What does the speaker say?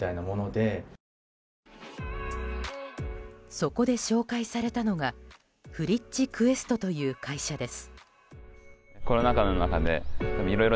そこで紹介されたのがフリッチクエストという会社です。